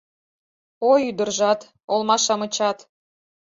Ой, ӱдыржат, олма-шамычат!